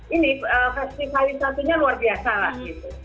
ini festivalisasinya luar biasa lah gitu